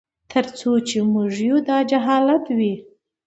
تر څو چي موږ یو داجهالت وي